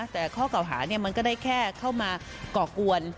แต่ข้อกล่าวหาเนี่ยมันก็ได้แค่เข้ามากรอกวน